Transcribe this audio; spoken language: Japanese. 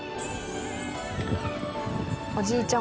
おじいちゃん